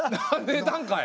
ねたんかい。